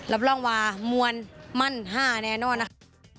รับรองว่ามวลมั่นห้าแน่นอนนะ